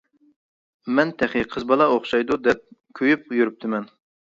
مەن تېخى قىز بالا ئوخشايدۇ دەپ كۆيۈپ يۈرۈپتىمەن!